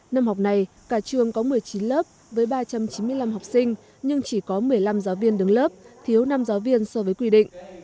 năm học này cả trường có một mươi chín lớp với ba trăm chín mươi năm học sinh nhưng chỉ có một mươi năm giáo viên đứng lớp thiếu năm giáo viên so với quy định